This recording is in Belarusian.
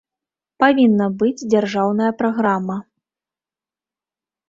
Павінна быць дзяржаўная праграма.